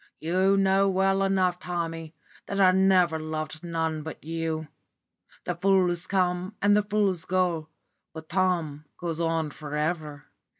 You know well enough, Tommy, that I never loved none but you. The fools come and the fools go, but Tom goes on for ever.